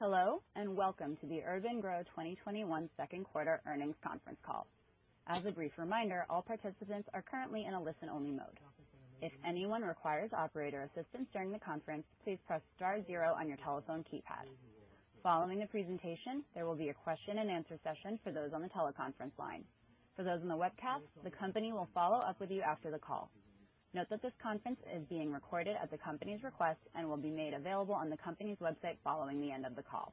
Hello, and welcome to the urban-gro 2021 second quarter earnings conference call. as a brief reminder, all participants are currently on the listen-only mode. if anyone requires operator assistance during the conference, please press star zero on your telephone keypad. following the presentation, there will be a question and answer session for those on the teleconference line. for those in the webcast, the company will follow up with you after the call. now, this conference is being recorded at the company's request and will be made available on the company's website following the end of the call.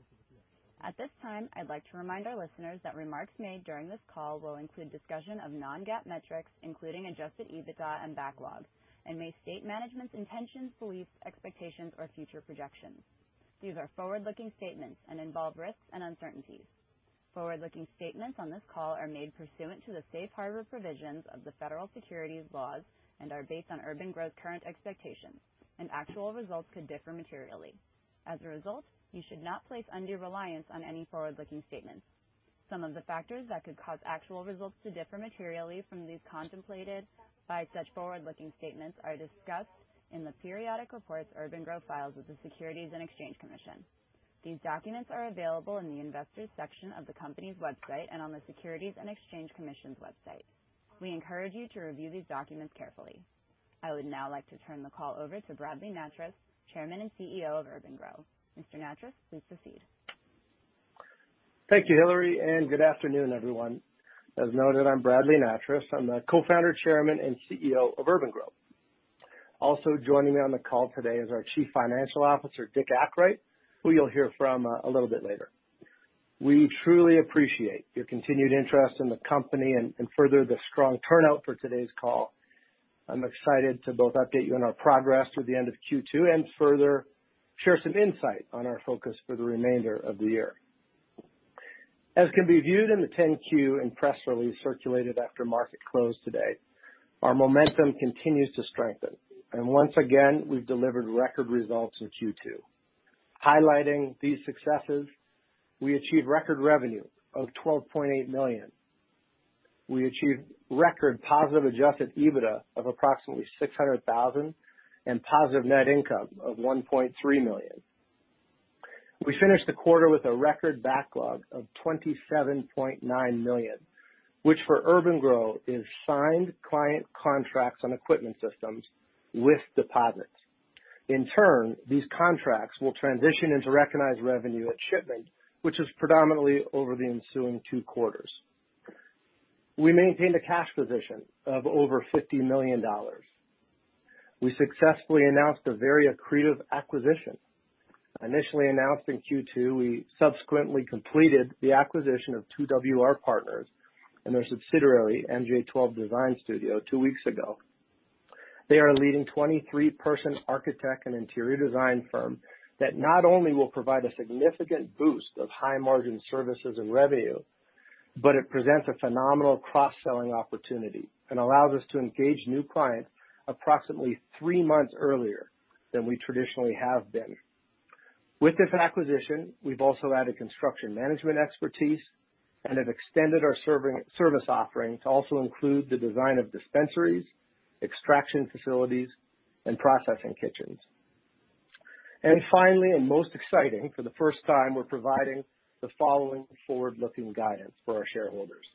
At this time, I'd like to remind our listeners that remarks made during this call will include discussion of non-GAAP metrics, including adjusted EBITDA and backlog, and may state management's intentions, beliefs, expectations, or future projections. These are forward-looking statements and involve risks and uncertainties. Forward-looking statements on this call are made pursuant to the safe harbor provisions of the federal securities laws and are based on urban-gro's current expectations, and actual results could differ materially. As a result, you should not place undue reliance on any forward-looking statements. Some of the factors that could cause actual results to differ materially from these contemplated by such forward-looking statements are discussed in the periodic reports urban-gro files with the Securities and Exchange Commission. These documents are available in the Investors section of the company's website and on the Securities and Exchange Commission's website. We encourage you to review these documents carefully. I would now like to turn the call over to Bradley Nattrass, Chairman and CEO of urban-gro. Mr. Nattrass, please proceed. Thank you, Hillary. Good afternoon, everyone. As noted, I'm Bradley Nattrass. I'm the Co-Founder, Chairman, and CEO of urban-gro. Also joining me on the call today is our Chief Financial Officer, Dick Akright, who you'll hear from a little bit later. We truly appreciate your continued interest in the company and further, the strong turnout for today's call. I'm excited to both update you on our progress through the end of Q2 and further share some insight on our focus for the remainder of the year. As can be viewed in the 10-Q and press release circulated after market close today, our momentum continues to strengthen. Once again, we've delivered record results in Q2. Highlighting these successes, we achieved record revenue of $12.8 million. We achieved record positive adjusted EBITDA of approximately $600,000 and positive net income of $1.3 million. We finished the quarter with a record backlog of $27.9 million, which for urban-gro is signed client contracts on equipment systems with deposits. In turn, these contracts will transition into recognized revenue at shipment, which is predominantly over the ensuing two quarters. We maintained a cash position of over $50 million. We successfully announced a very accretive acquisition. Initially announced in Q2, we subsequently completed the acquisition of 2WR+ Partners and their subsidiary, MJ12 Design Studio, two weeks ago. They are a leading 23-person architect and interior design firm that not only will provide a significant boost of high-margin services and revenue, but it presents a phenomenal cross-selling opportunity and allows us to engage new clients approximately three months earlier than we traditionally have been. With this acquisition, we've also added construction management expertise and have extended our service offering to also include the design of dispensaries, extraction facilities, and processing kitchens. Finally, and most exciting, for the first time, we're providing the following forward-looking guidance for our shareholders.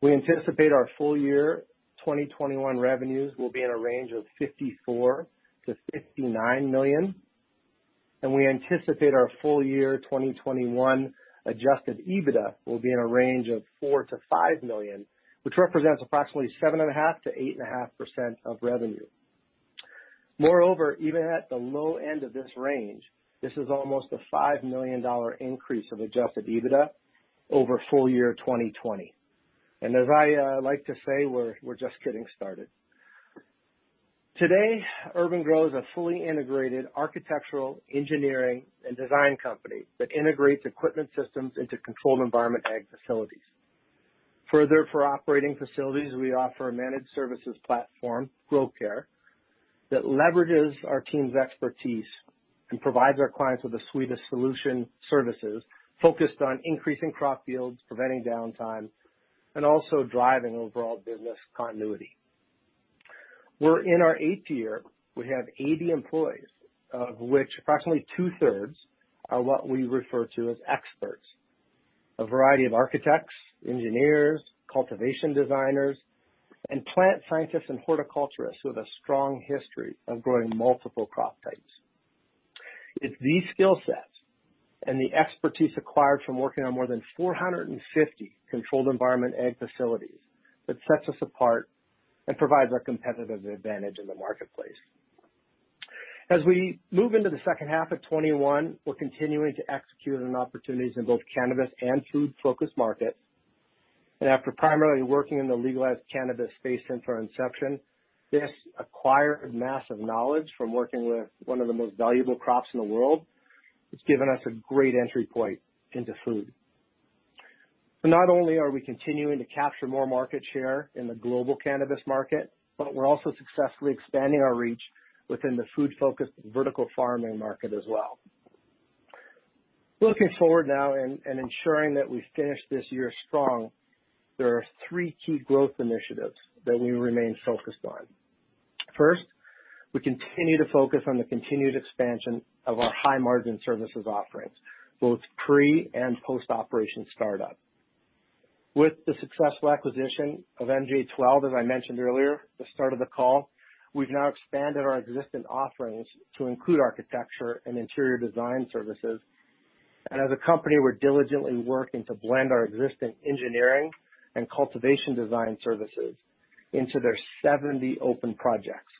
We anticipate our full year 2021 revenues will be in a range of $54 million-$59 million, and we anticipate our full year 2021 adjusted EBITDA will be in a range of $4 million-$5 million, which represents approximately 7.5%-8.5% of revenue. Moreover, even at the low end of this range, this is almost a $5 million increase of adjusted EBITDA over full year 2020. As I like to say, we're just getting started. Today, urban-gro is a fully integrated architectural, engineering, and design company that integrates equipment systems into controlled environment agriculture facilities. Further, for operating facilities, we offer a managed services platform, gro-care, that leverages our team's expertise and provides our clients with the suite of solution services focused on increasing crop yields, preventing downtime, and also driving overall business continuity. We're in our eighth year. We have 80 employees, of which approximately two-thirds are what we refer to as experts. A variety of architects, engineers, cultivation designers, and plant scientists and horticulturists with a strong history of growing multiple crop types. It's these skill sets and the expertise acquired from working on more than 450 controlled environment agriculture facilities that sets us apart and provides our competitive advantage in the marketplace. As we move into the second half of 2021, we're continuing to execute on opportunities in both cannabis and food-focused markets, and after primarily working in the legalized cannabis space since our inception, this acquired mass of knowledge from working with one of the most valuable crops in the world, it's given us a great entry point into food. Not only are we continuing to capture more market share in the global cannabis market, but we're also successfully expanding our reach within the food-focused vertical farming market as well. Looking forward now and ensuring that we finish this year strong, there are three key growth initiatives that we remain focused on. First, we continue to focus on the continued expansion of our high-margin services offerings, both pre and post-operation startup. With the successful acquisition of MJ12, as I mentioned earlier at the start of the call, we've now expanded our existing offerings to include architecture and interior design services. As a company, we're diligently working to blend our existing engineering and cultivation design services into their 70 open projects.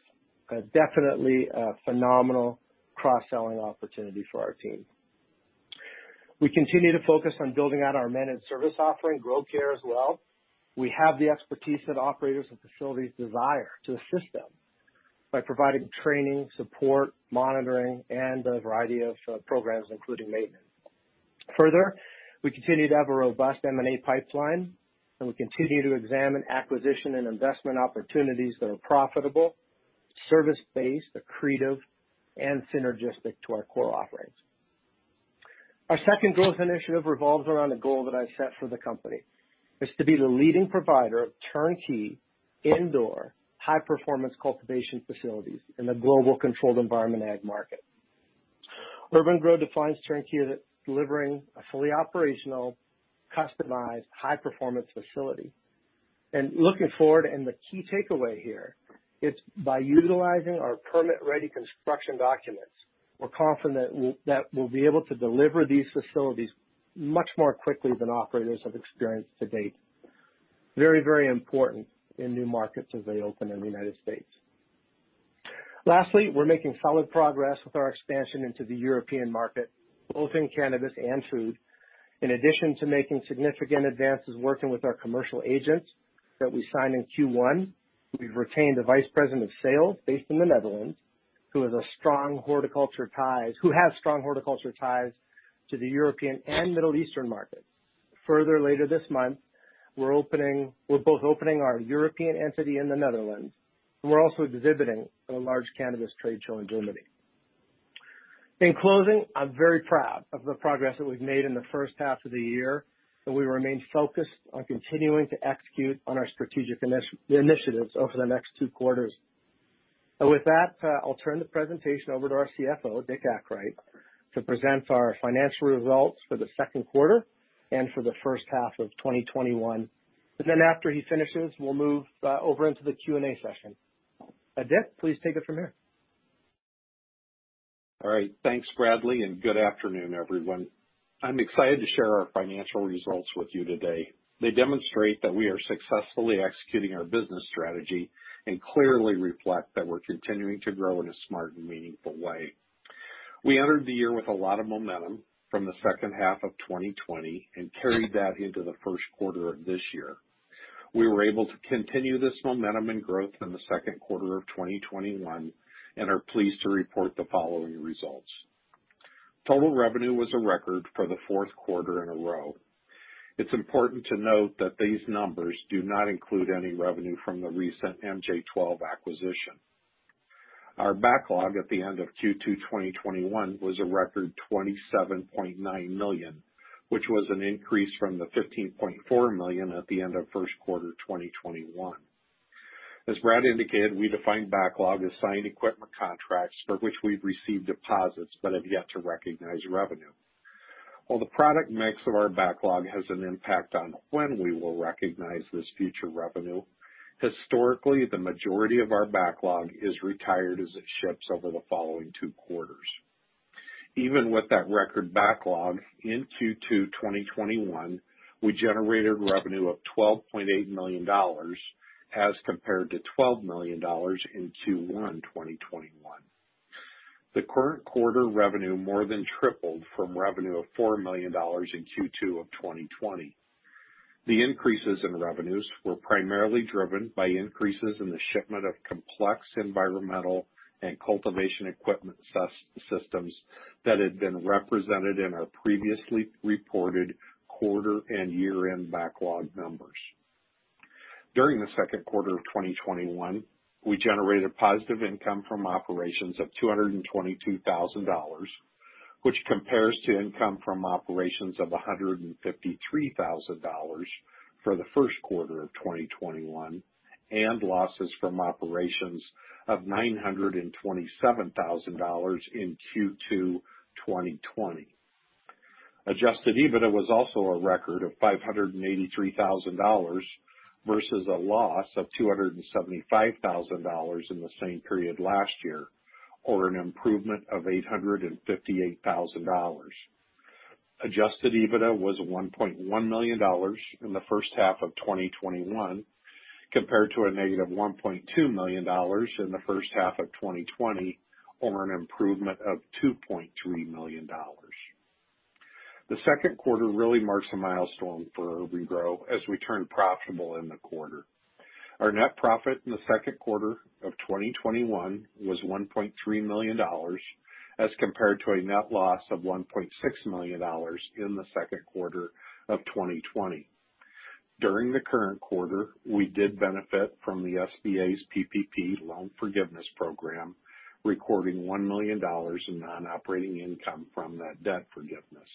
Definitely a phenomenal cross-selling opportunity for our team. We continue to focus on building out our managed service offering, gro-care, as well. We have the expertise that operators of facilities desire to assist them by providing training, support, monitoring, and a variety of programs, including maintenance. We continue to have a robust M&A pipeline, and we continue to examine acquisition and investment opportunities that are profitable, service-based, accretive, and synergistic to our core offerings. Our second growth initiative revolves around a goal that I've set for the company. It is to be the leading provider of turnkey, indoor, high-performance cultivation facilities in the global controlled environment agriculture market. urban-gro defines turnkey as delivering a fully operational, customized, high-performance facility. Looking forward, and the key takeaway here, it is by utilizing our permit-ready construction documents, we are confident that we will be able to deliver these facilities much more quickly than operators have experienced to date. Very important in new markets as they open in the U.S. Lastly, we are making solid progress with our expansion into the European market, both in cannabis and food. In addition to making significant advances working with our commercial agents that we signed in Q1, we have retained a vice president of sales based in the Netherlands who has strong horticulture ties to the European and Middle Eastern markets. Further, later this month, we're both opening our European entity in the Netherlands, and we're also exhibiting at a large cannabis trade show in Germany. In closing, I'm very proud of the progress that we've made in the first half of the year, and we remain focused on continuing to execute on our strategic initiatives over the next two quarters. With that, I'll turn the presentation over to our CFO, Dick Akright, to present our financial results for the second quarter and for the first half of 2021. After he finishes, we'll move over into the Q&A session. Dick, please take it from here. All right. Thanks, Bradley, and good afternoon, everyone. I'm excited to share our financial results with you today. They demonstrate that we are successfully executing our business strategy and clearly reflect that we're continuing to grow in a smart and meaningful way. We entered the year with a lot of momentum from the second half of 2020 and carried that into the first quarter of this year. We were able to continue this momentum and growth in the second quarter of 2021 and are pleased to report the following results. Total revenue was a record for the fourth quarter in a row. It's important to note that these numbers do not include any revenue from the recent MJ12 acquisition. Our backlog at the end of Q2 2021 was a record $27.9 million, which was an increase from the $15.4 million at the end of first quarter 2021. As Brad indicated, we define backlog as signed equipment contracts for which we've received deposits but have yet to recognize revenue. While the product mix of our backlog has an impact on when we will recognize this future revenue, historically, the majority of our backlog is retired as it ships over the following two quarters. Even with that record backlog, in Q2 2021, we generated revenue of $12.8 million as compared to $12 million in Q1 2021. The current quarter revenue more than tripled from revenue of $4 million in Q2 of 2020. The increases in revenues were primarily driven by increases in the shipment of complex environmental and cultivation equipment systems that had been represented in our previously reported quarter and year-end backlog numbers. During the second quarter of 2021, we generated positive income from operations of $222,000, which compares to income from operations of $153,000 for the first quarter of 2021, and losses from operations of $927,000 in Q2 2020. Adjusted EBITDA was also a record of $583,000 versus a loss of $275,000 in the same period last year, or an improvement of $858,000. Adjusted EBITDA was $1.1 million in the first half of 2021, compared to a negative $1.2 million in the first half of 2020, or an improvement of $2.3 million. The second quarter really marks a milestone for urban-gro as we turned profitable in the quarter. Our net profit in the second quarter of 2021 was $1.3 million as compared to a net loss of $1.6 million in the second quarter of 2020. During the current quarter, we did benefit from the SBA's PPP Loan Forgiveness Program, recording $1 million in non-operating income from that debt forgiveness.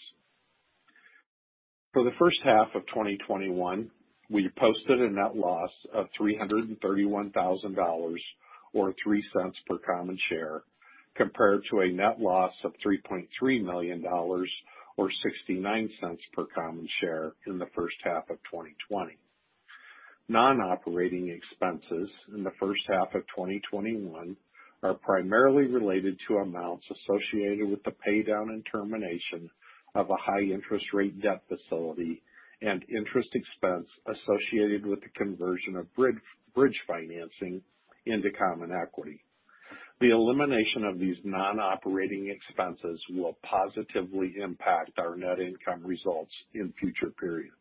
For the first half of 2021, we posted a net loss of $331,000, or $0.03 per common share, compared to a net loss of $3.3 million, or $0.69 per common share in the first half of 2020. Non-operating expenses in the first half of 2021 are primarily related to amounts associated with the paydown and termination of a high interest rate debt facility and interest expense associated with the conversion of bridge financing into common equity. The elimination of these non-operating expenses will positively impact our net income results in future periods.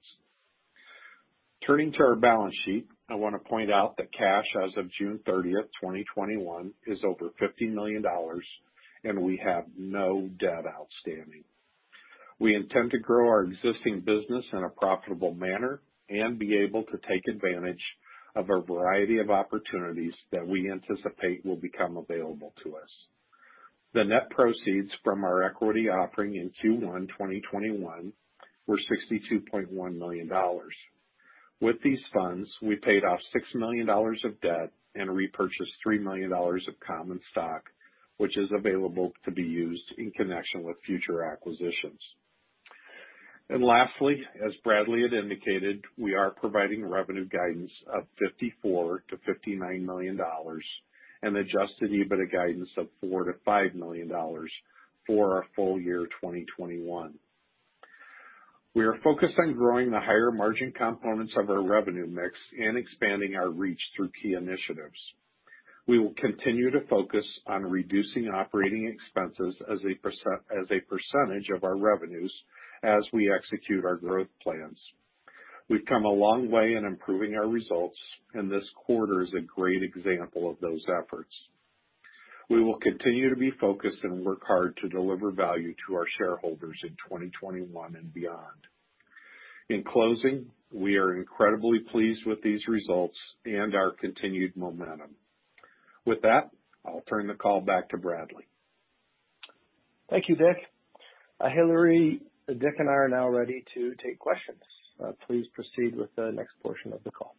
Turning to our balance sheet, I want to point out that cash as of June 30th, 2021, is over $50 million, and we have no debt outstanding. We intend to grow our existing business in a profitable manner and be able to take advantage of a variety of opportunities that we anticipate will become available to us. The net proceeds from our equity offering in Q1 2021 were $62.1 million. With these funds, we paid off $6 million of debt and repurchased $3 million of common stock, which is available to be used in connection with future acquisitions. Lastly, as Bradley had indicated, we are providing revenue guidance of $54 million-$59 million and adjusted EBITDA guidance of $4 million-$5 million for our full year 2021. We are focused on growing the higher margin components of our revenue mix and expanding our reach through key initiatives. We will continue to focus on reducing operating expenses as a percentage of our revenues as we execute our growth plans. We've come a long way in improving our results, and this quarter is a great example of those efforts. We will continue to be focused and work hard to deliver value to our shareholders in 2021 and beyond. In closing, we are incredibly pleased with these results and our continued momentum. With that, I'll turn the call back to Bradley. Thank you, Dick. Hillary, Dick and I are now ready to take questions. Please proceed with the next portion of the call.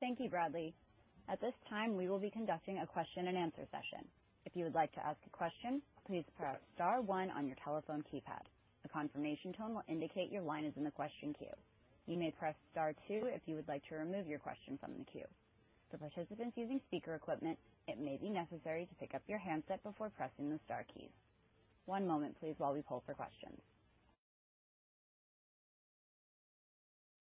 Thank you, Bradley. At this time, we will be conducting a question and answer session. If you would like to ask a question, please press star one on your telephone keypad. A confirmation tone will indicate your line is in the question queue. You may press star two if you would like to remove your question from the queue. One moment please while we the question.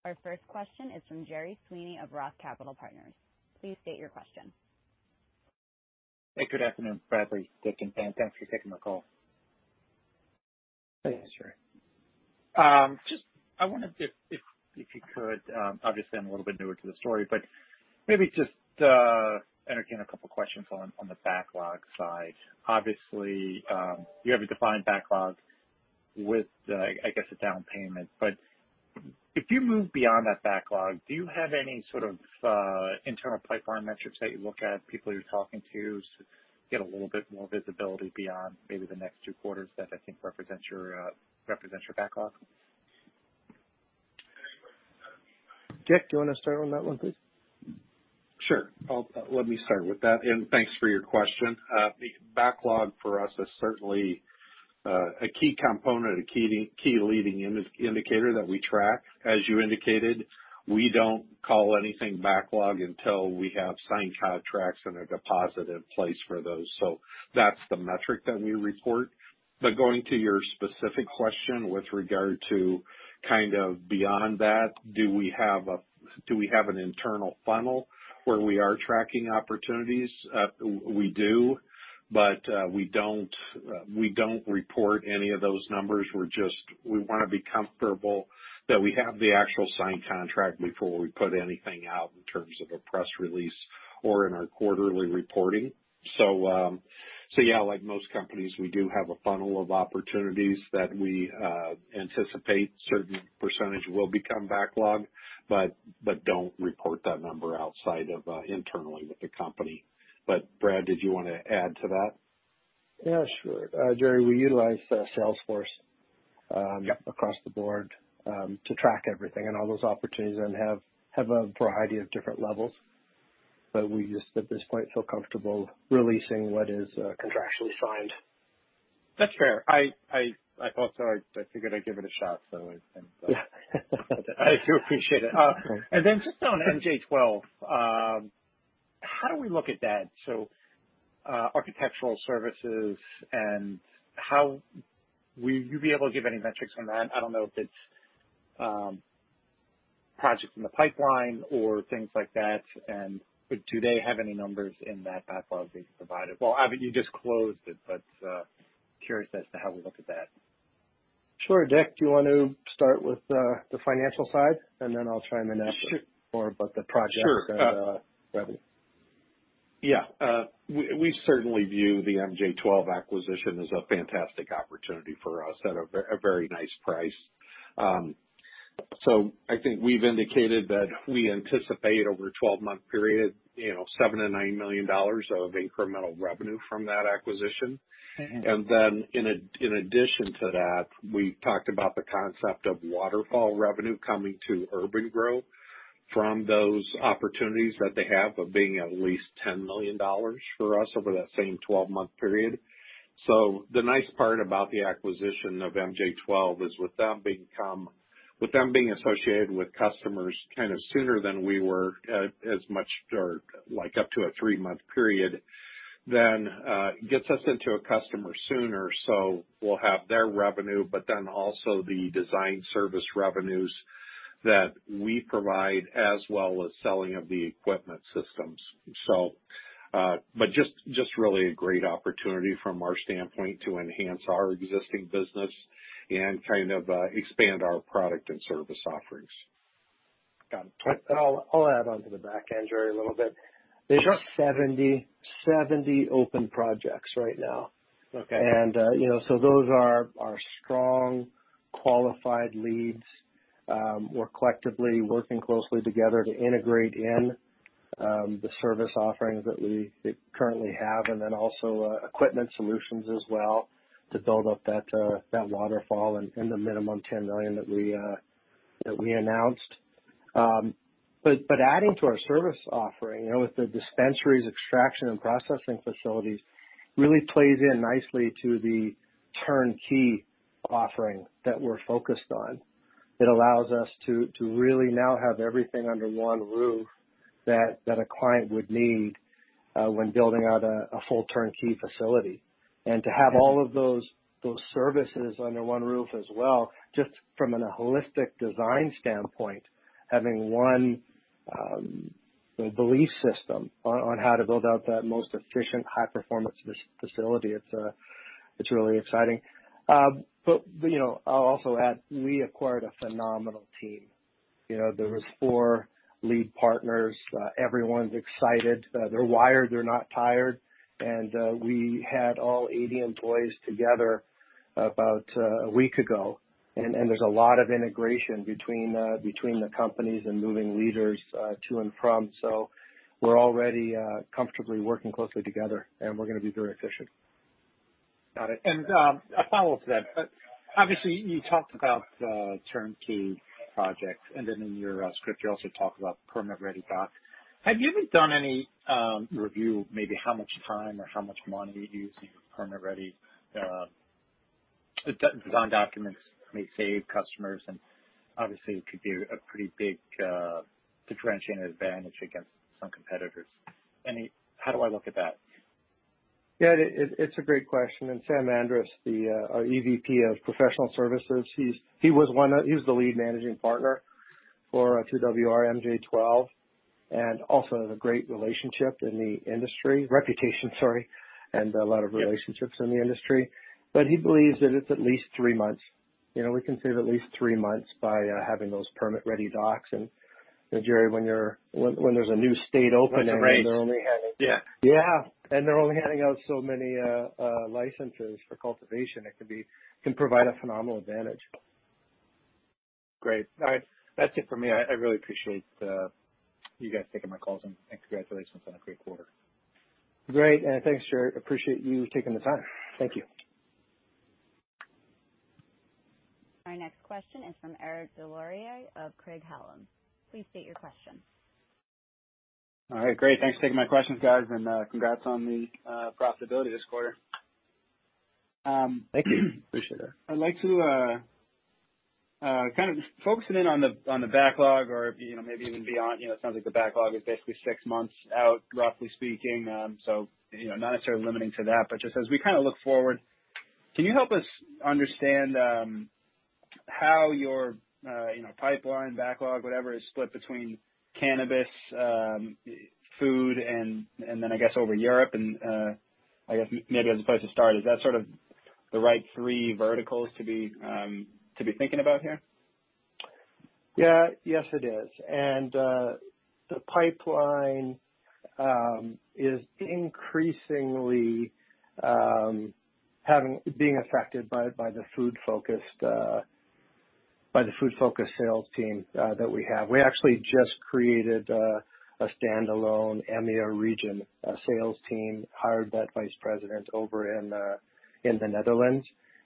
Our first question is from Gerry Sweeney of ROTH Capital Partners. Please state your question. Hey, good afternoon, Bradley, Dick, and thanks for taking the call. Thanks, Gerry. Just, I wondered if you could, obviously I'm a little bit newer to the story, but maybe just entertain a couple of questions on the backlog side. Obviously, you have a defined backlog with, I guess, a down payment. If you move beyond that backlog, do you have any sort of internal pipeline metrics that you look at, people you're talking to get a little bit more visibility beyond maybe the next two quarters that I think represents your backlog? Dick, do you want to start on that one, please? Sure. Let me start with that, and thanks for your question. The backlog for us is certainly a key component, a key leading indicator that we track. As you indicated, we don't call anything backlog until we have signed contracts and a deposit in place for those. That's the metric that we report. Going to your specific question with regard to kind of beyond that, do we have an internal funnel where we are tracking opportunities? We do, but we don't report any of those numbers. We want to be comfortable that we have the actual signed contract before we put anything out in terms of a press release or in our quarterly reporting. Yeah, like most companies, we do have a funnel of opportunities that we anticipate a certain percentage will become backlog, but don't report that number outside of internally with the company. Brad, did you want to add to that? Yeah, sure. Gerry, we utilize Salesforce. Yep. Across the board to track everything and all those opportunities and have a variety of different levels. We just at this point feel comfortable releasing what is contractually signed. That's fair. I thought so. I figured I'd give it a shot. Yeah. I do appreciate it. Just on MJ12, how do we look at that? Architectural services and how will you be able to give any metrics on that? I don't know if it's projects in the pipeline or things like that, and do they have any numbers in that backlog that you provided? You just closed it, but curious as to how we look at that. Sure. Dick, do you want to start with the financial side, and then I'll try and address more about the projects and revenue? We certainly view the MJ12 acquisition as a fantastic opportunity for us at a very nice price. I think we've indicated that we anticipate over a 12-month period $7 million-$9 million of incremental revenue from that acquisition. In addition to that, we talked about the concept of waterfall revenue coming to urban-gro from those opportunities that they have of being at least $10 million for us over that same 12-month period. The nice part about the acquisition of MJ12 is with them being associated with customers kind of sooner than we were, like up to a three-month period, then gets us into a customer sooner. We'll have their revenue, but then also the design service revenues that we provide, as well as selling of the equipment systems. Just really a great opportunity from our standpoint to enhance our existing business and kind of expand our product and service offerings. Got it. I'll add onto the back end, Gerry, a little bit. Sure. There's 70 open projects right now. Okay. Those are our strong qualified leads. We're collectively working closely together to integrate in the service offerings that we currently have and then also equipment solutions as well to build up that waterfall and the minimum $10 million that we announced. Adding to our service offering, with the dispensaries extraction and processing facilities, really plays in nicely to the turnkey offering that we're focused on. It allows us to really now have everything under one roof that a client would need when building out a full turnkey facility. To have all of those services under one roof as well, just from a holistic design standpoint, having one belief system on how to build out that most efficient high-performance facility, it's really exciting. I'll also add, we acquired a phenomenal team. There was four lead partners. Everyone's excited. They're wired, they're not tired. We had all 80 employees together about a week ago, and there's a lot of integration between the companies and moving leaders to and from. We're already comfortably working closely together and we're going to be very efficient. Got it. A follow-up to that. Obviously, you talked about the turnkey project, and then in your script, you also talked about permit-ready doc. Have you ever done any review, maybe how much time or how much money using permit-ready design documents may save customers? Obviously, it could be a pretty big differentiating advantage against some competitors. How do I look at that? Yeah, it's a great question. Sam Andras, our EVP of professional services, he was the lead managing partner for 2WR/MJ12, and also has a great relationship in the industry. Reputation, sorry, and a lot of relationships in the industry. He believes that it's at least three months. We can save at least three months by having those permit-ready docs. Gerry, when there's a new state opening- That's great. Yeah. Yeah. They're only handing out so many licenses for cultivation. It can provide a phenomenal advantage. Great. All right. That's it for me. I really appreciate you guys taking my calls, and congratulations on a great quarter. Great. Thanks, Gerry. Appreciate you taking the time. Thank you. Our next question is from Eric Des Lauriers of Craig-Hallum. Please state your question. All right. Great. Thanks for taking my questions, guys, and congrats on the profitability this quarter. Thank you. Appreciate it. I'd like to kind of focusing in on the backlog or maybe even beyond. It sounds like the backlog is basically six months out, roughly speaking. Not necessarily limiting to that, but just as we look forward, can you help us understand how your pipeline backlog, whatever, is split between cannabis, food, and then I guess over Europe, and I guess maybe that's the place to start. Is that sort of the right three verticals to be thinking about here? Yes, it is. The pipeline is increasingly being affected by the food-focused sales team that we have. We actually just created a standalone EMEA region sales team, hired that Vice President over in the Netherlands,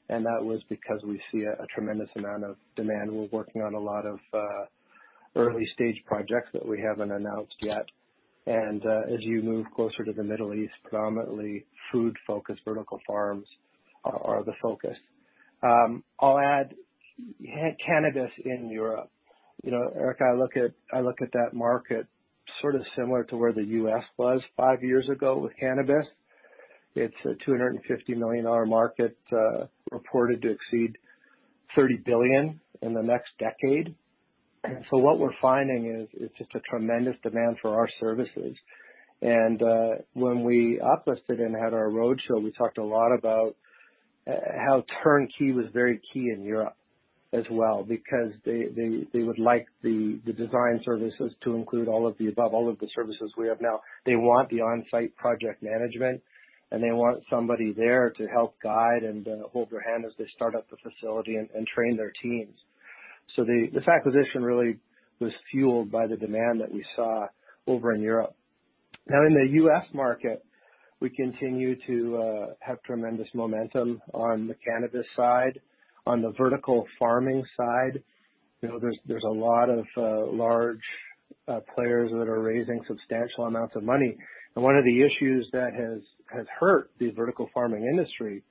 that was because we see a tremendous amount of demand. We're working on a lot of early-stage projects that we haven't announced yet. As you move closer to the Middle East, predominantly food-focused vertical farms are the focus. I'll add cannabis in Europe. Eric, I look at that market sort of similar to where the U.S. was five years ago with cannabis. It's a $250 million market, reported to exceed $30 billion in the next decade. What we're finding is it's just a tremendous demand for our services. When we uplisted and had our roadshow, we talked a lot about how turnkey was very key in Europe. Because they would like the design services to include all of the above, all of the services we have now. They want the on-site project management, they want somebody there to help guide and hold their hand as they start up the facility and train their teams. This acquisition really was fueled by the demand that we saw over in Europe. In the U.S. market, we continue to have tremendous momentum on the cannabis side. On the vertical farming side, there's a lot of large players that are raising substantial amounts of money. One of the issues that has hurt the vertical farming industry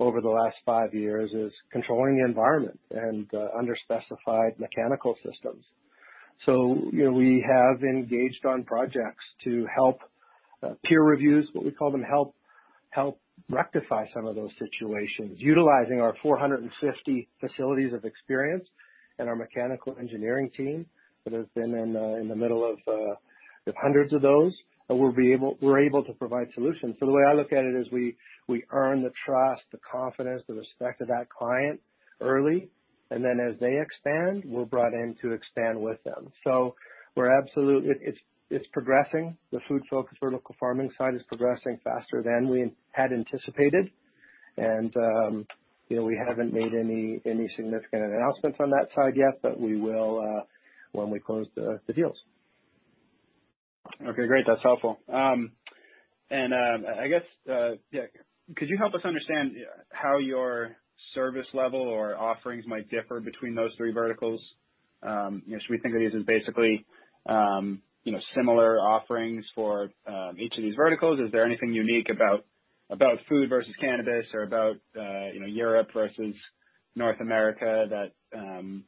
over the last five years is controlling the environment and under-specified mechanical systems. We have engaged on projects to help peer reviews, what we call them, help rectify some of those situations, utilizing our 450 facilities of experience and our mechanical engineering team that has been in the middle of hundreds of those, and we're able to provide solutions. The way I look at it is we earn the trust, the confidence, the respect of that client early, and then as they expand, we're brought in to expand with them. It's progressing. The food-focused vertical farming side is progressing faster than we had anticipated. We haven't made any significant announcements on that side yet, but we will when we close the deals. Okay, great. That's helpful. I guess, yeah, could you help us understand how your service level or offerings might differ between those three verticals? Should we think of these as basically similar offerings for each of these verticals? Is there anything unique about food versus cannabis or about Europe versus North America that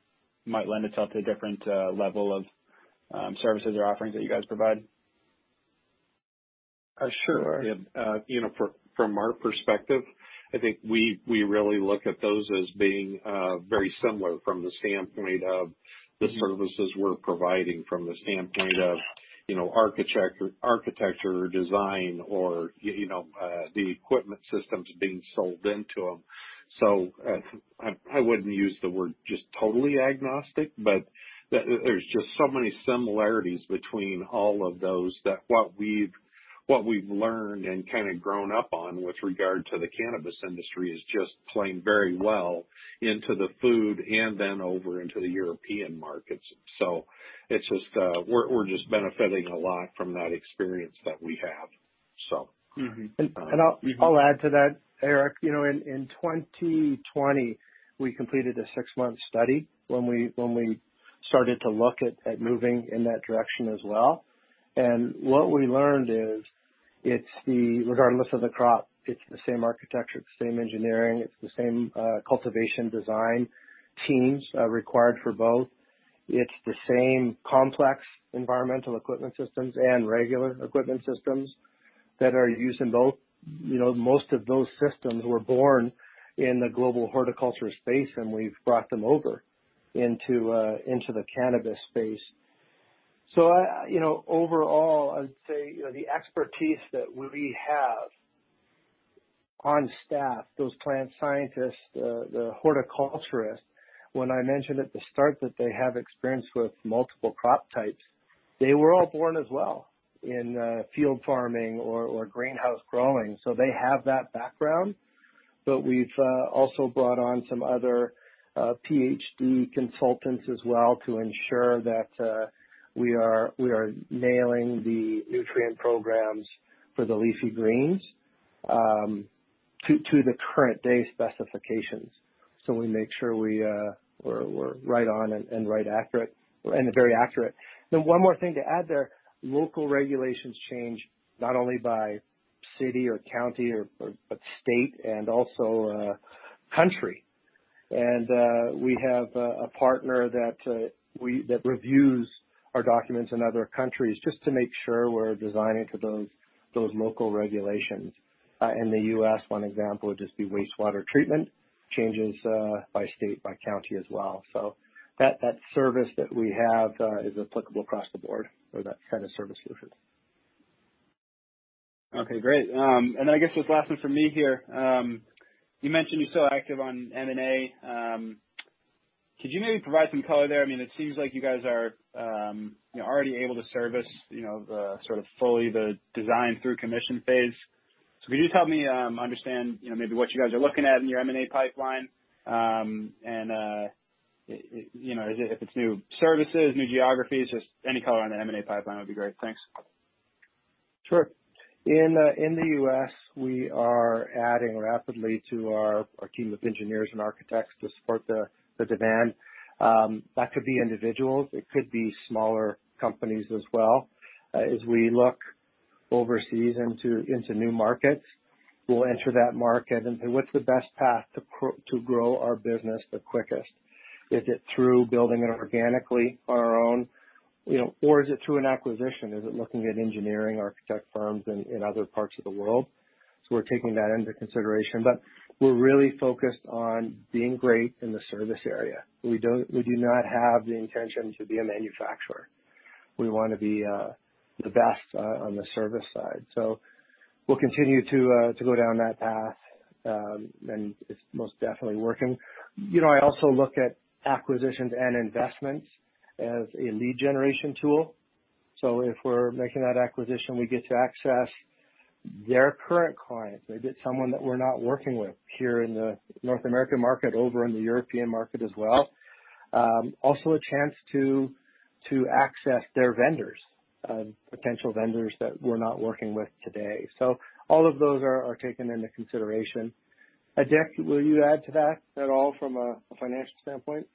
might lend itself to a different level of services or offerings that you guys provide? Sure. From our perspective, I think we really look at those as being very similar from the standpoint of the services we're providing, from the standpoint of architecture, design, or the equipment systems being sold into them. I wouldn't use the word just totally agnostic, but there's just so many similarities between all of those that what we've learned and kind of grown up on with regard to the cannabis industry is just playing very well into the food and then over into the European markets. We're just benefiting a lot from that experience that we have. I'll add to that, Eric. In 2020, we completed a six-month study when we started to look at moving in that direction as well. What we learned is, regardless of the crop, it's the same architecture, it's the same engineering, it's the same cultivation design teams required for both. It's the same complex environmental equipment systems and regular equipment systems that are used in both. Most of those systems were born in the global horticulture space, and we've brought them over into the cannabis space. Overall, I'd say the expertise that we have on staff, those plant scientists, the horticulturists, when I mentioned at the start that they have experience with multiple crop types, they were all born as well in field farming or greenhouse growing. They have that background. We've also brought on some other PhD consultants as well to ensure that we are nailing the nutrient programs for the leafy greens to the current day specifications. We make sure we're right on and very accurate. One more thing to add there, local regulations change not only by city or county but state and also country. We have a partner that reviews our documents in other countries just to make sure we're designing to those local regulations. In the U.S., one example would just be wastewater treatment changes by state, by county as well. That service that we have is applicable across the board for that kind of service solution. Okay, great. I guess this last one from me here. You mentioned you're still active on M&A. Could you maybe provide some color there? It seems like you guys are already able to service sort of fully the design through commission phase. Could you just help me understand maybe what you guys are looking at in your M&A pipeline? If it's new services, new geographies, just any color on the M&A pipeline would be great. Thanks. Sure. In the U.S., we are adding rapidly to our team of engineers and architects to support the demand. That could be individuals. It could be smaller companies as well. As we look overseas into new markets, we'll enter that market and say, "What's the best path to grow our business the quickest? Is it through building it organically on our own? Or is it through an acquisition? Is it looking at engineering architect firms in other parts of the world?" We're taking that into consideration. We're really focused on being great in the service area. We do not have the intention to be a manufacturer. We want to be the best on the service side. We'll continue to go down that path, and it's most definitely working. I also look at acquisitions and investments as a lead generation tool. If we're making that acquisition, we get to access their current clients. Maybe it's someone that we're not working with here in the North American market, over in the European market as well. Also, a chance to access their vendors, potential vendors that we're not working with today. All of those are taken into consideration. Dick, will you add to that at all from a financial standpoint?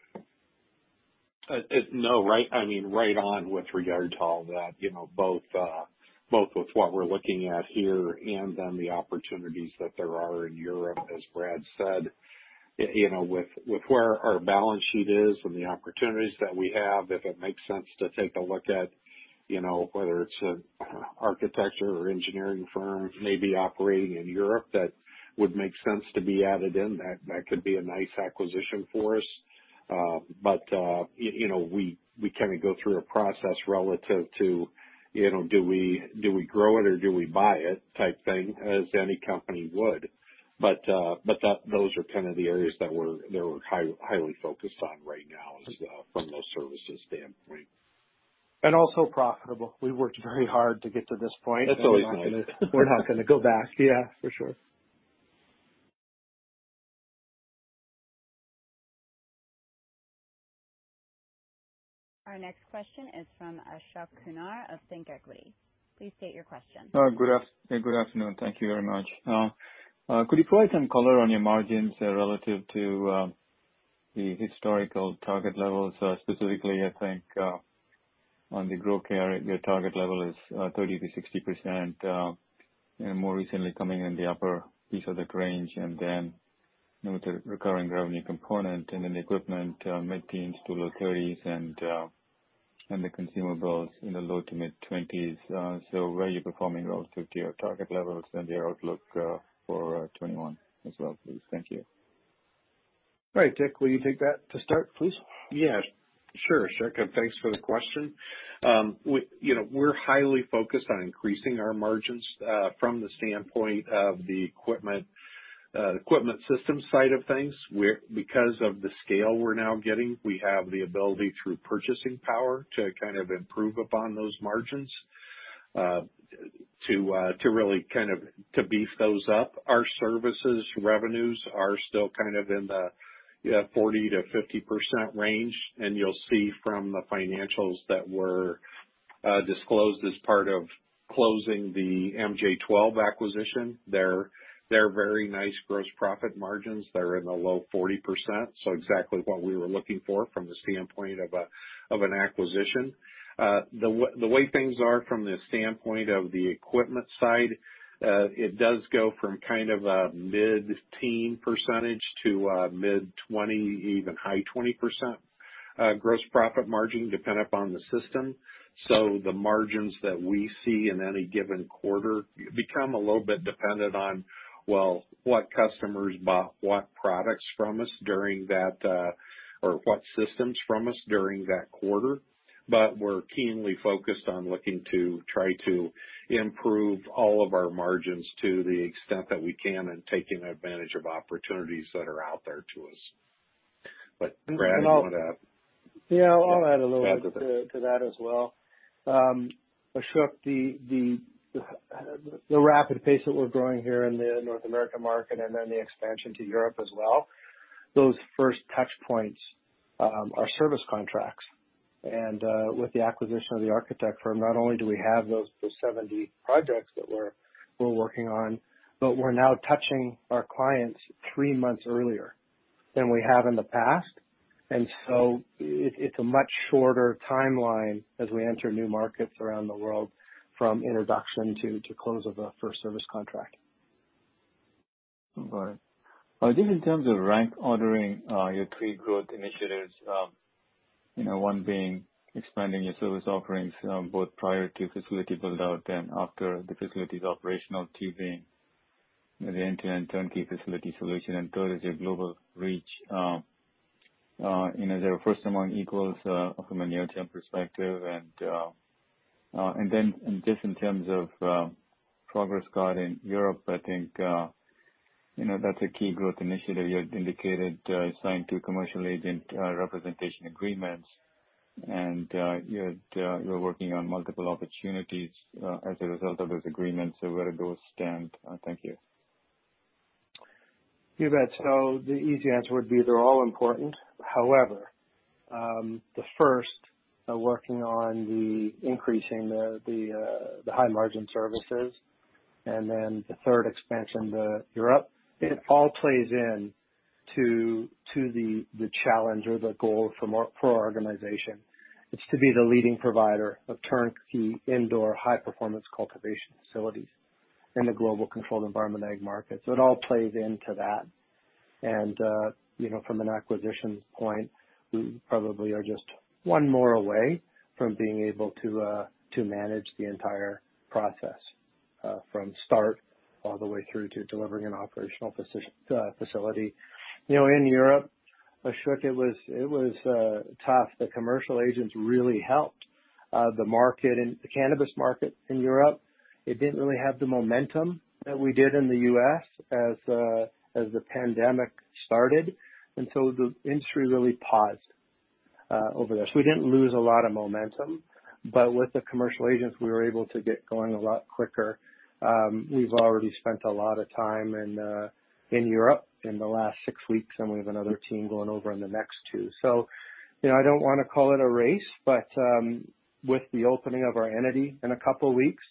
No. I mean, right on with regards to all that. Both with what we're looking at here and then the opportunities that there are in Europe, as Brad said. With where our balance sheet is and the opportunities that we have, if it makes sense to take a look at whether it's an architecture or engineering firm, maybe operating in Europe, that would make sense to be added in. That could be a nice acquisition for us. We go through a process relative to, do we grow it or do we buy it type thing, as any company would. Those are the areas that we're highly focused on right now is from a services standpoint. Also profitable. We worked very hard to get to this point. That's always nice. We're not going to go back. Yeah, for sure. Our next question is from Ashok Kumar of ThinkEquity. Please state your question. Good afternoon. Thank you very much. Could you provide some color on your margins relative to the historical target levels? Specifically, I think on the growth area, your target level is 30%-60%, and more recently coming in the upper piece of that range, and then with the recurring revenue component and then the equipment, mid-teens to low 30s, and the consumables in the low to mid-20s. Where are you performing relative to your target levels and your outlook for 2021 as well, please? Thank you. All right. Dick, will you take that to start, please? Yeah. Sure, Ashok, and thanks for the question. We're highly focused on increasing our margins, from the standpoint of the equipment system side of things. Because of the scale we're now getting, we have the ability through purchasing power to improve upon those margins, to beef those up. Our services revenues are still in the 40%-50% range, and you'll see from the financials that were disclosed as part of closing the MJ12 acquisition, their very nice gross profit margins that are in the low 40%. Exactly what we were looking for from the standpoint of an acquisition. The way things are from the standpoint of the equipment side, it does go from a mid-teen percentage to mid-20%, even high 20% gross profit margin, depending upon the system. The margins that we see in any given quarter become a little bit dependent on, well, what customers bought what products from us during that, or what systems from us during that quarter. We're keenly focused on looking to try to improve all of our margins to the extent that we can and taking advantage of opportunities that are out there to us. Brad, do you want to- Yeah, I'll add a little bit to that as well. Ashok, the rapid pace that we're growing here in the North American market and then the expansion to Europe as well, those first touchpoints are service contracts. With the acquisition of the architect firm, not only do we have those 70 projects that we're working on, but we're now touching our clients three months earlier than we have in the past. It's a much shorter timeline as we enter new markets around the world from introduction to close of a first service contract. Right. Just in terms of rank ordering your three growth initiatives, one being expanding your service offerings both prior to facility build-out and after the facility's operational. Two being the end-to-end turnkey facility solution, and three is your global reach. They were first among equals from a near-term perspective. Then just in terms of progress card in Europe, I think that's a key growth initiative. You had indicated signed two commercial agent representation agreements and you're working on multiple opportunities as a result of those agreements. Where do those stand? Thank you. You bet. The easy answer would be they're all important. However, the first, working on the increasing the high margin services and then the third expansion to Europe, it all plays into the challenge or the goal for our organization. It's to be the leading provider of turnkey indoor high-performance cultivation facilities in the global controlled environment agriculture market. It all plays into that. From an acquisition point, we probably are just one more away from being able to manage the entire process, from start all the way through to delivering an operational facility. In Europe, Ashok, it was tough. The commercial agents really helped. The cannabis market in Europe, it didn't really have the momentum that we did in the U.S. as the pandemic started, the industry really paused over there. We didn't lose a lot of momentum, but with the commercial agents, we were able to get going a lot quicker. We've already spent a lot of time in Europe in the last six weeks, and we have another team going over in the next two. I don't want to call it a race, but with the opening of our entity in a couple of weeks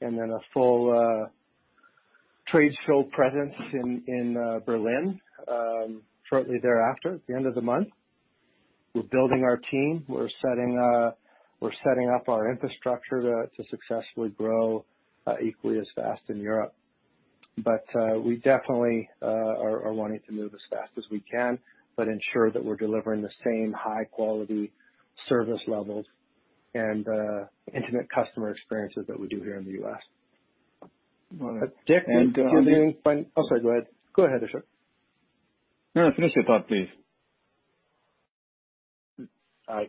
and then a full tradeshow presence in Berlin shortly thereafter, at the end of the month, we're building our team. We're setting up our infrastructure to successfully grow equally as fast in Europe. We definitely are wanting to move as fast as we can, but ensure that we're delivering the same high-quality service levels and intimate customer experiences that we do here in the U.S. All right. Dick, I'm sorry. Go ahead, Ashok. No, finish your thought, please.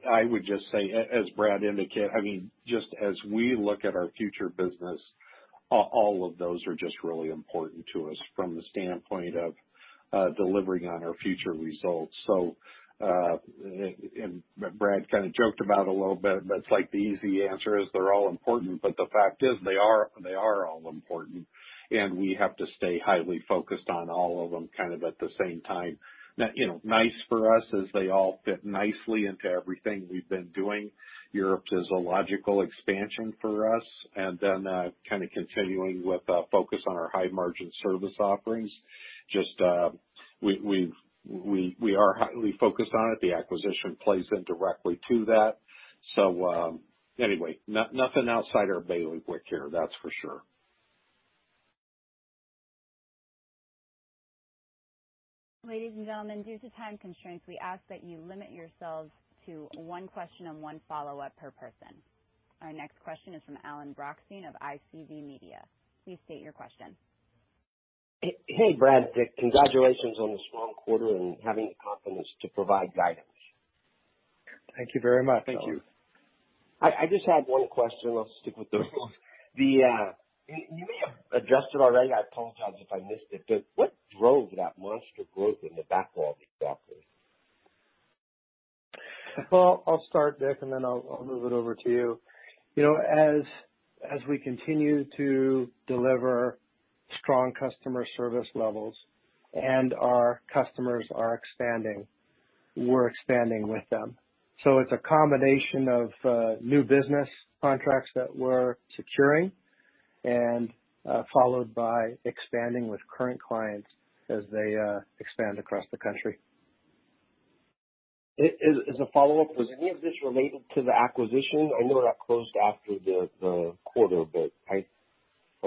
I would just say, as Brad indicated, just as we look at our future business, all of those are just really important to us from the standpoint of delivering on our future results. Brad kind of joked about a little bit, but it's like the easy answer is they're all important, but the fact is they are all important, and we have to stay highly focused on all of them, kind of at the same time. Nice for us is they all fit nicely into everything we've been doing. Europe is a logical expansion for us, kind of continuing with a focus on our high-margin service offerings, just we are highly focused on it. The acquisition plays in directly to that. Anyway, nothing outside our bailiwick here, that's for sure. Ladies and gentlemen, due to time constraints, we ask that you limit yourselves to one question and one follow-up per person. Our next question is from Alan Brochstein of NCV Media. Please state your question. Hey, Brad, Dick. Congratulations on the strong quarter and having the confidence to provide guidance. Thank you very much. Thank you. I just had one question. I'll stick with those. You may have addressed it already. I apologize if I missed it, but what drove that monster growth in the backlog exactly? Well, I'll start, Dick, then I'll move it over to you. As we continue to deliver strong customer service levels and our customers are expanding, we're expanding with them. It's a combination of new business contracts that we're securing and followed by expanding with current clients as they expand across the country. As a follow-up, was any of this related to the acquisition? I know that closed after the quarter. I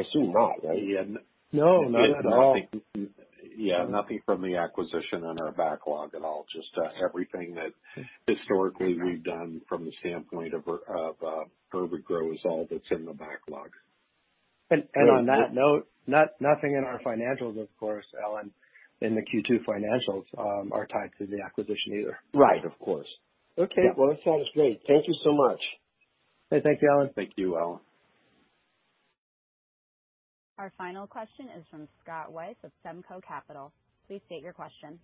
assume not, right? Yeah. No, not at all. Yeah. Nothing from the acquisition on our backlog at all. Just everything that historically we've done from the standpoint of urban-gro is all that's in the backlog. On that note, nothing in our financials, of course, Alan, in the Q2 financials, are tied to the acquisition either. Right. Of course. Okay. Well, that sounds great. Thank you so much. Hey, thank you, Alan. Thank you, Alan. Our final question is from Scott Weiss of Semco Capital. Please state your question.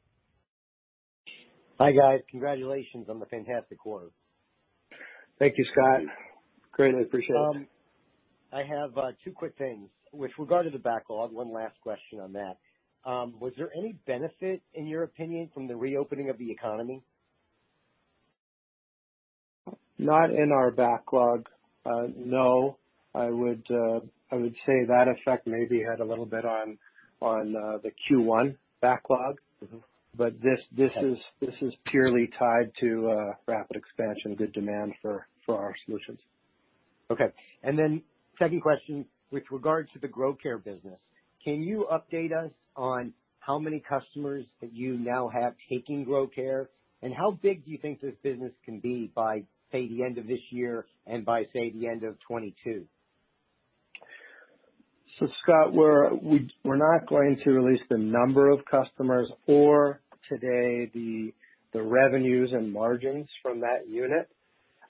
Hi, guys. Congratulations on the fantastic quarter. Thank you, Scott. Greatly appreciate it. I have two quick things. With regard to the backlog, one last question on that. Was there any benefit, in your opinion, from the reopening of the economy? Not in our backlog. No. I would say that effect maybe had a little bit on the Q1 backlog. This is purely tied to rapid expansion, good demand for our solutions. Okay. second question, with regards to the gro-care business, can you update us on how many customers that you now have taking gro-care, how big do you think this business can be by, say, the end of this year and by, say, the end of 2022? Scott, we're not going to release the number of customers or today the revenues and margins from that unit.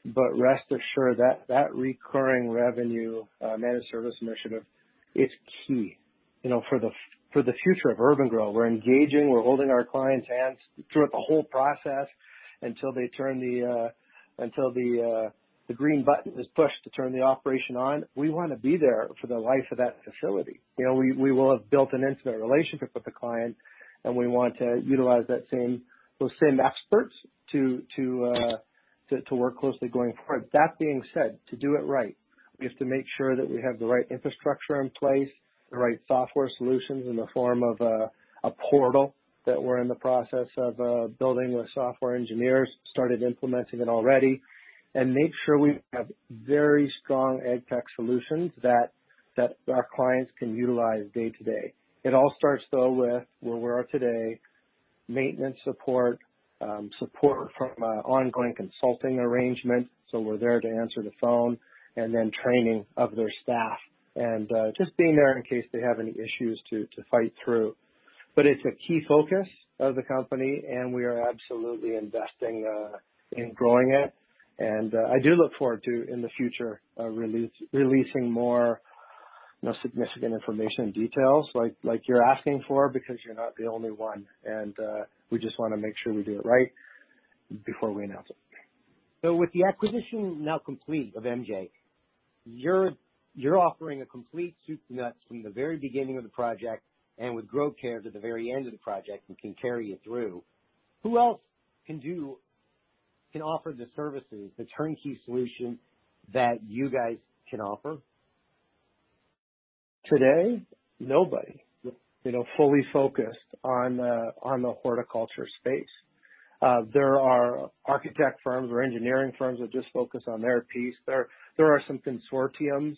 Rest assured that recurring revenue managed service initiative is key for the future of urban-gro. We're engaging. We're holding our clients' hands throughout the whole process until the green button is pushed to turn the operation on. We want to be there for the life of that facility. We will have built an intimate relationship with the client, and we want to utilize those same experts to work closely going forward. That being said, to do it right, we have to make sure that we have the right infrastructure in place, the right software solutions in the form of a portal that we're in the process of building with software engineers, started implementing it already, and make sure we have very strong AgTech solutions that our clients can utilize day to day. It all starts, though, with where we are today. Maintenance support from ongoing consulting arrangement, so we're there to answer the phone, and then training of their staff, and just being there in case they have any issues to fight through. It's a key focus of the company, and we are absolutely investing in growing it. I do look forward to, in the future, releasing more significant information and details like you're asking for, because you're not the only one, and we just want to make sure we do it right before we announce it. With the acquisition now complete of MJ12, you're offering a complete soup to nuts from the very beginning of the project, and with gro-care to the very end of the project, who can carry it through? Who else can offer the services, the turnkey solution that you guys can offer? Today, nobody fully focused on the horticulture space. There are architect firms or engineering firms that just focus on their piece. There are some consortiums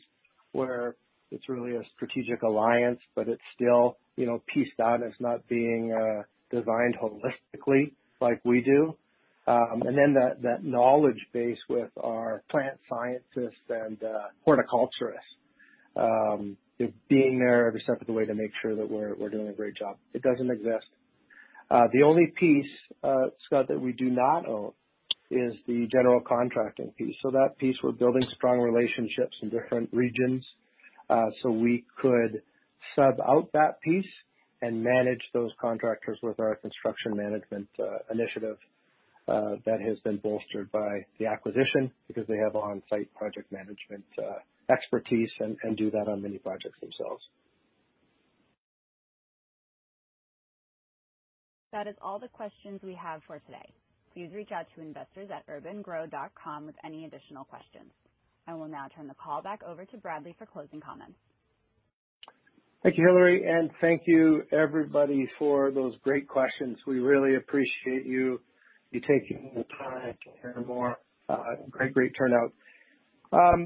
where it's really a strategic alliance, but it's still pieced out as not being designed holistically like we do. That knowledge base with our plant scientists and horticulturists being there every step of the way to make sure that we're doing a great job does not exist. The only piece, Scott, that we do not own is the general contracting piece. That piece, we're building strong relationships in different regions. We could sub out that piece and manage those contractors with our construction management initiative that has been bolstered by the acquisition because they have onsite project management expertise and do that on many projects themselves. That is all the questions we have for today. Please reach out to investors@urban-gro.com with any additional questions. I will now turn the call back over to Bradley for closing comments. Thank you, Hillary. Thank you everybody for those great questions. We really appreciate you taking the time to hear more. Great turnout.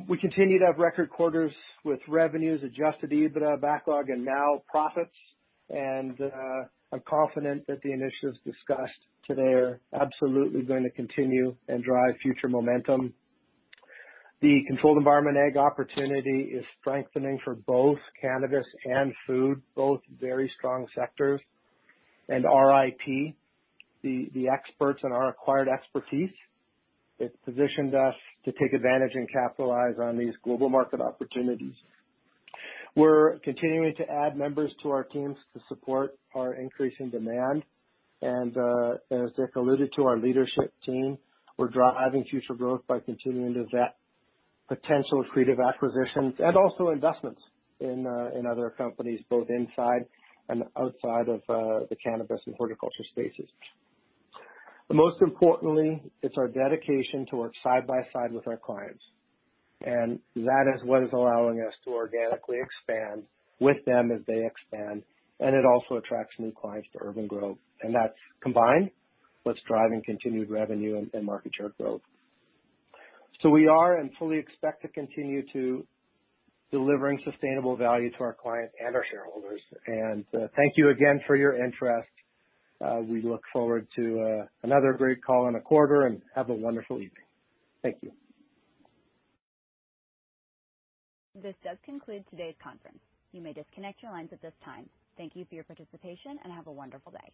We continue to have record quarters with revenues, adjusted EBITDA backlog, and now profits. I'm confident that the initiatives discussed today are absolutely going to continue and drive future momentum. The controlled environment agriculture opportunity is strengthening for both cannabis and food, both very strong sectors. 2WR/MJ12, the experts in our acquired expertise, it's positioned us to take advantage and capitalize on these global market opportunities. We're continuing to add members to our teams to support our increase in demand. As Dick alluded to our leadership team, we're driving future growth by continuing to vet potential accretive acquisitions and also investments in other companies, both inside and outside of the cannabis and horticulture spaces. Most importantly, it's our dedication to work side by side with our clients. That is what is allowing us to organically expand with them as they expand, and it also attracts new clients to urban-gro. That combined, what's driving continued revenue and market share growth. We are and fully expect to continue to delivering sustainable value to our client and our shareholders. Thank you again for your interest. We look forward to another great call in a quarter, and have a wonderful evening. Thank you. This does conclude today's conference. You may disconnect your lines at this time. Thank you for your participation, and have a wonderful day.